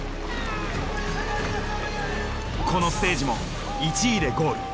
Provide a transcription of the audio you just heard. このステージも１位でゴール。